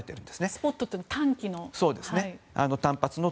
スポットというのは短期の。